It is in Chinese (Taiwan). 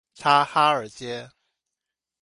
察哈爾街